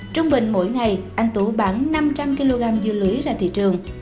trung bình mỗi ngày anh tú bán năm trăm linh kg dưa lưới ra thị trường